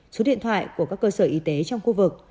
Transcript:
số điện thoại của các cơ sở y tế trong khu vực